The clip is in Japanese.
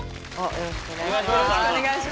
よろしくお願いします。